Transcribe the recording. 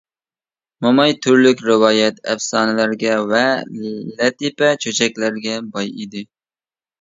موماي تۈرلۈك رىۋايەت، ئەپسانىلەرگە ۋە لەتىپە، چۆچەكلەرگە باي ئىدى.